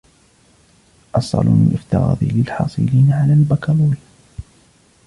الصالون الافتراضي للحاصلين على الباكالوريا